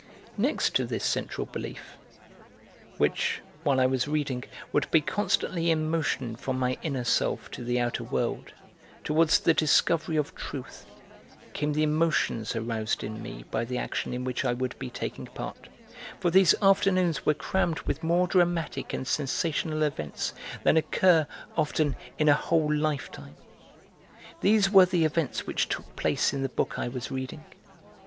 Next to this central belief, which, while I was reading, would be constantly a motion from my inner self to the outer world, towards the discovery of Truth, came the emotions aroused in me by the action in which I would be taking part, for these afternoons were crammed with more dramatic and sensational events than occur, often, in a whole lifetime. These were the events which took place in the book I was reading.